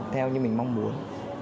theo như mình mong muốn